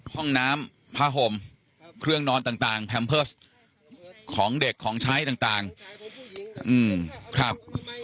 ห้องน้ำผ้าห่มเครื่องนอนต่างต่างของเด็กของชายต่างต่างอืมครับ